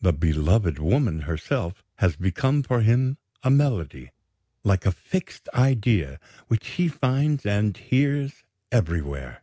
The beloved woman herself has become for him a melody, like a fixed idea which he finds and hears everywhere.